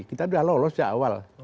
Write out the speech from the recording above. kita udah lolos dari awal